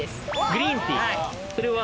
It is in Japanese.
グリーンティーです。